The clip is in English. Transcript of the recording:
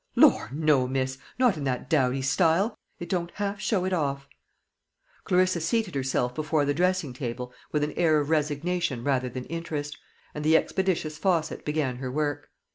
"Lor, no, miss; not in that dowdy style. It don't half show it off." Clarissa seated herself before the dressing table with an air of resignation rather than interest, and the expeditious Fosset began her work.